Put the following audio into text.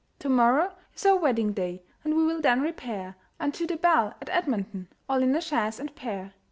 "To morrow is our wedding day, And we will then repair Unto the 'Bell' at Edmonton, All in a chaise and pair.